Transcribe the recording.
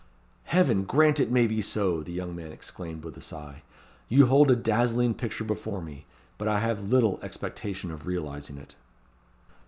"Heaven grant it may be so!" the young man exclaimed, with a sigh. "You hold a dazzling picture before me; but I have little expectation of realizing it."